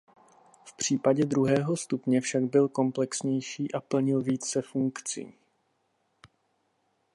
V případě druhého stupně však byl komplexnější a plnil více funkcí.